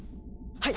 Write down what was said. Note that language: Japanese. はい！